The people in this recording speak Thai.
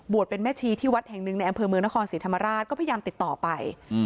เป็นแม่ชีที่วัดแห่งหนึ่งในอำเภอเมืองนครศรีธรรมราชก็พยายามติดต่อไป